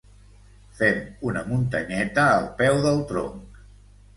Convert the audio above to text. Fem una muntanyeta al peu del tronc.